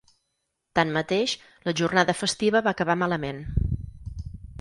Tanmateix, la jornada festiva va acabar malament.